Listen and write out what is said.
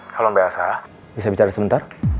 halo mba asa bisa bicara sebentar